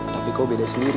tapi kau beda sendiri